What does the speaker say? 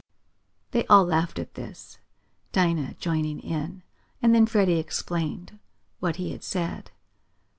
They all laughed at this, Dinah joining in, and then Freddie explained what he had said.